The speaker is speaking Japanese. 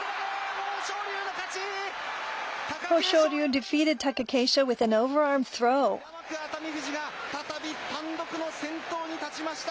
この瞬間、平幕・熱海富士が再び単独の先頭に立ちました。